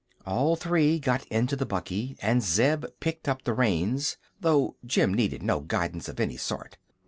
All three got into the buggy and Zeb picked up the reins, though Jim needed no guidance of any sort.